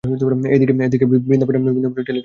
এ দিকে বৃন্দাবনে টেলিগ্রাম গেছে।